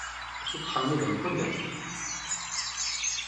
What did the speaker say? Ad k-ittḥemmid mkul ass.